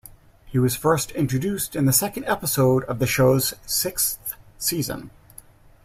He was first introduced in the second episode of the show's sixth season.